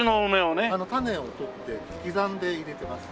種を取って刻んで入れてます。